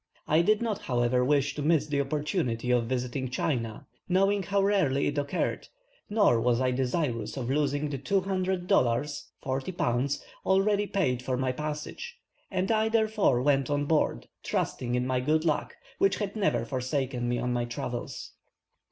I did not, however, wish to miss the opportunity of visiting China, knowing how rarely it occurred, nor was I desirous of losing the two hundred dollars (40 pounds) already paid for my passage, and I therefore went on board, trusting in my good luck, which had never forsaken me on my travels.